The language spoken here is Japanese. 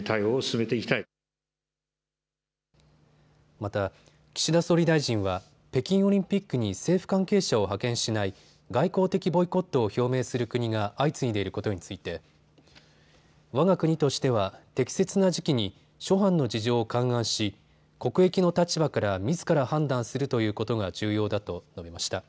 また岸田総理大臣は北京オリンピックに政府関係者を派遣しない外交的ボイコットを表明する国が相次いでいることについてわが国としては適切な時期に諸般の事情を勘案し国益の立場からみずから判断するということが重要だと述べました。